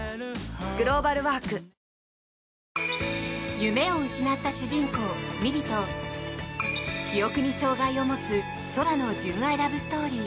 夢を失った主人公・美璃と記憶に障害を持つ空の純愛ラブストーリー